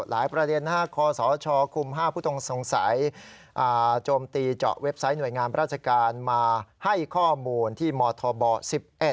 หลายประเด็นคศคุม๕ผู้ต้องสงสัยโจมตีเจาะเว็บไซต์หน่วยงานราชการมาให้ข้อมูลที่มธบ๑๑